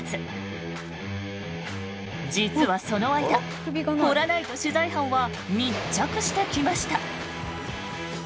実はその間「掘らナイト」取材班は密着してきました。